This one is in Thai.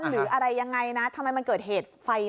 หรืออะไรยังไงนะทำไมมันเกิดเหตุไฟ